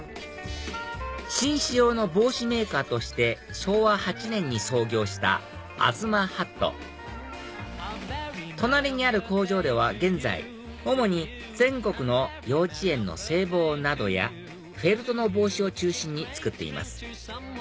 紳士用の帽子メーカーとして昭和８年に創業した東ハット隣にある工場では現在主に全国の幼稚園の制帽などやフェルトの帽子を中心に作っています